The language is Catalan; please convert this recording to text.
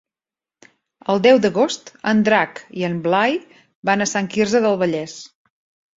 El deu d'agost en Drac i en Blai van a Sant Quirze del Vallès.